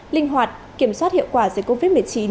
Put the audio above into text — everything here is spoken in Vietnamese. linh hoạt kiểm soát hiệu quả dịch covid một mươi chín